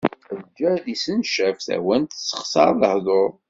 Lǧehd issencaf, tawant tessexsaṛ lehduṛ.